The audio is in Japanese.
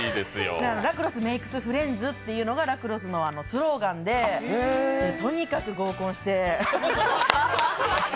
ラクロスメイクスフレンズっていうラクロスのスローガンで、とにかく合コンして。